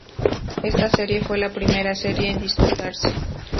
Esta serie fue la primera serie en disputarse.